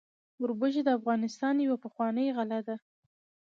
وربشې د افغانستان یوه پخوانۍ غله ده.